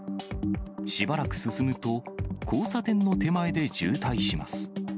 しばらく進むと、交差点の手前で渋滞します。